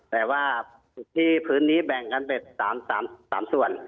แต่ว่าที่พื้นนี้แบ่งกันเป็น๓ส่วน